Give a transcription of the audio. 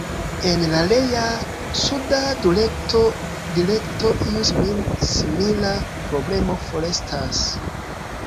En la rea, suda direkto iu simila problemo forestas.